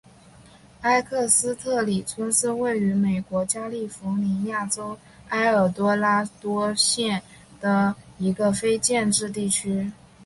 埃克斯特里村是位于美国加利福尼亚州埃尔多拉多县的一个非建制地区。